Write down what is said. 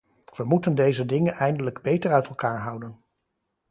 We moeten deze dingen eindelijk beter uit elkaar houden.